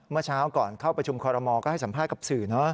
เมื่อเช้าก่อนเข้าประชุมคอรมอลก็ให้สัมภาษณ์กับสื่อ